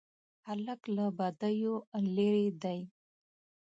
هلک له بدیو لیرې دی.